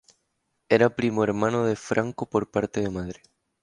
Era primo hermano de Franco por parte de madre.